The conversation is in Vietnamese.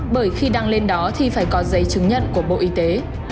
bởi khi đăng lên đó thì phải có giấy chứng nhận của bộ y tế